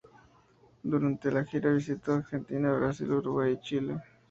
Durante la gira visitó Argentina, Brasil, Uruguay y Chile.